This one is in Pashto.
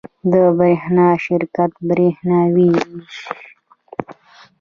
د برښنا شرکت بریښنا ویشي